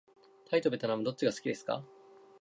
タイとべトナムどっちが好きですか。